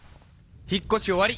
引っ越し終わり